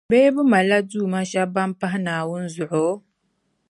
Bee bɛ malila duuma shεba ban pahi Naawuni zuɣu?